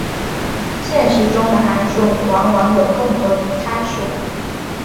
现实中的函数往往有更多的参数。